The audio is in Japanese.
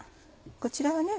こちらはね